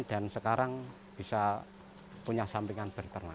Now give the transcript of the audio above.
dan sekarang bisa punya sampingan berpernak